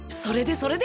それで？